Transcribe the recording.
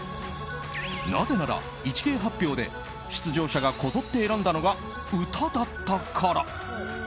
なぜなら、一芸発表で出場者がこぞって選んだのが歌だったから。